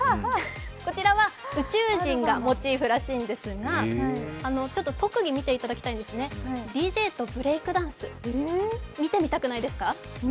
こちらは宇宙人がモチーフらしいんですがちょっと特技、見ていただきたいんですね、ＤＪとブレイクダンス、見てみたくないですか？